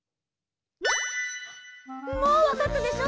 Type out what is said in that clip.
もうわかったでしょ？